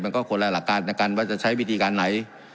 มันก็คนละหลักกายนในการว่าจะใช้วิธีการไหน